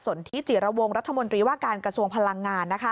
นทิจิระวงรัฐมนตรีว่าการกระทรวงพลังงาน